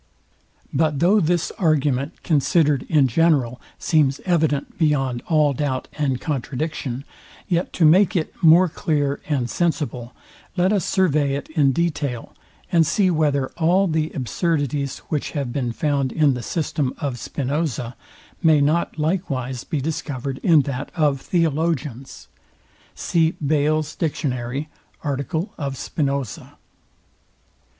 But though this argument, considered in general, seems evident beyond all doubt and contradiction, yet to make it more clear and sensible, let us survey it in detail; and see whether all the absurdities, which have been found in the system of Spinoza, may not likewise be discovered in that of Theologians. See Bayle's dictionary, article of Spinoza.